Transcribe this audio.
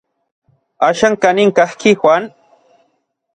¿Axan kanin kajki Juan?